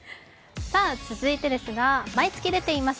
続いてですが、毎月出ています